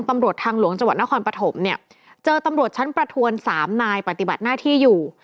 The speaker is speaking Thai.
ตำรวจทางหลวงจังหวัดนครปฐมเนี่ยเจอตำรวจชั้นประทวนสามนายปฏิบัติหน้าที่อยู่